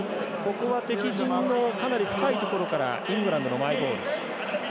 敵陣のかなり深いところからイングランドのマイボール。